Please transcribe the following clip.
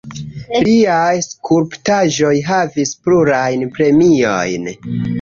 Liaj skulptaĵoj havis plurajn premiojn.